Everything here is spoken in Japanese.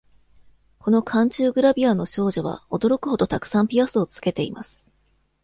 この巻中グラビアの少女は驚くほどたくさんピアスを付けています。